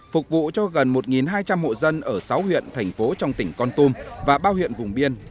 phục vụ cho gần một hai trăm linh hộ dân ở sáu huyện thành phố trong tỉnh con tum và bao huyện vùng biên